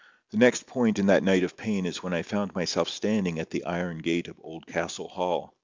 The next point in that night of pain is when I found myself standing at the iron gate of Oldcastle Hall.